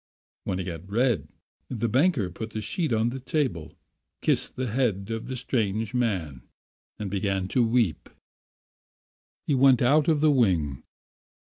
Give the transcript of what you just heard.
When he had read, the banker put the sheet on the table, kissed the head of the strange man, and began to weep. He went out of the wing.